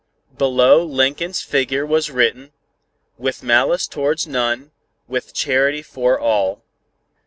Below Lincoln's figure was written: "With malice towards none, with charity for all."